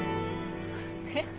え？